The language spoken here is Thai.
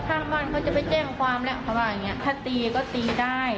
ข้างบ้านเขาจะไปแจ้งความแล้วเขาว่าอย่างเงี้ถ้าตีก็ตีได้